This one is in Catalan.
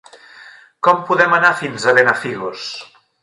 Com podem anar fins a Benafigos?